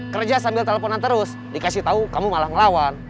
kerja sambil teleponan terus dikasih tahu kamu malah ngelawan